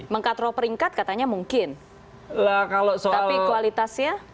mengkatrol peringkat katanya mungkin tapi kualitasnya